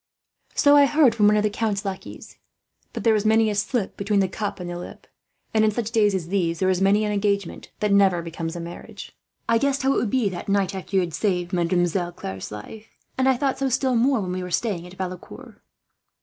"So I heard, from one of the count's lackeys; but there is many a slip between the cup and the lip, and in such days as these there is many an engagement that never becomes a marriage. I guessed how it would be, that night after you had saved Mademoiselle Claire's life; and I thought so, still more, when we were staying at Valecourt."